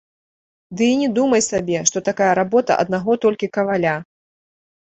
Ды і не думай сабе, што такая работа аднаго толькі каваля.